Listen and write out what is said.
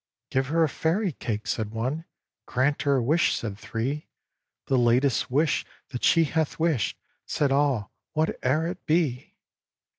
"Give her a Fairy cake!" said one; "Grant her a wish!" said three; "The latest wish that she hath wished," Said all, "whate'er it be!"